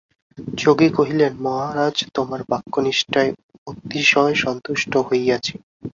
যোগী কহিলেন, মহারাজ তোমার বাক্যনিষ্ঠায় অতিশয় সন্তুষ্ট হইয়াছি।